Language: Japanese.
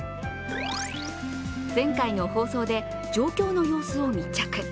前回の放送で状況の様子を密着。